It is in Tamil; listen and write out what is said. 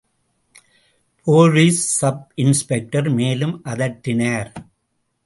போலீஸ் சப்இன்ஸ்பெக்டர் மேலும் அதட்டினார்.